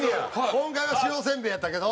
今回は塩せんべいやったけど。